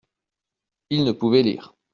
Il ne pouvait lire.